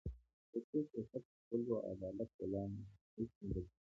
تر څو سیاست پر خلکو او عدالت ولاړ نه شي، هیڅ نه بدلېږي.